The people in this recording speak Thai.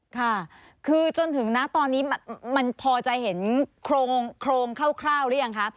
ค่ะคือจนถึงนะตอนนี้มันพอจะเห็นโครงคร่าวหรือยังคะ